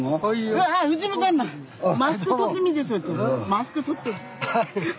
マスク取ってみて。